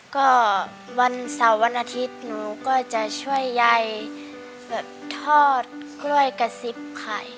ก็วันเสาร์วันอาทิตย์หนูก็จะช่วยยายแบบทอดกล้วยกระซิบไข่